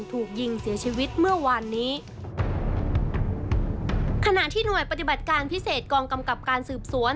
ถูกยิงเสียชีวิตเมื่อวานนี้ขณะที่หน่วยปฏิบัติการพิเศษกองกำกับการสืบสวน